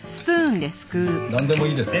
なんでもいいですか？